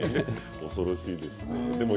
恐ろしいですね。